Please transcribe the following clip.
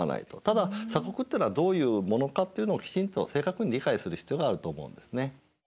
ただ鎖国ってのはどういうものかっていうのをきちんと正確に理解する必要があると思うんですね。